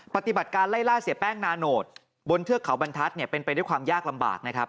ปฏิบัติการไล่ล่าเสียแป้งนาโนตบนเทือกเขาบรรทัศน์เป็นไปด้วยความยากลำบากนะครับ